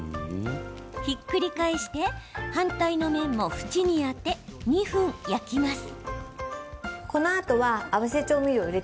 ひっくり返して反対の面も縁に当て２分焼きます。